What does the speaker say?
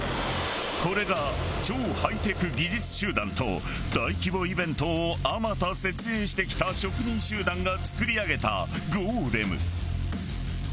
これが超ハイテク技術集団と大規模イベントをあまた設営してきた職人集団が作り上げたゴーレム。